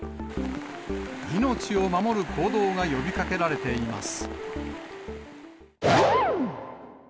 命を守る行動が呼びかけられています。